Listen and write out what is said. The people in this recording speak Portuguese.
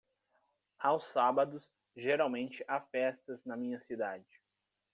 Aos sábados geralmente há festas na minha cidade.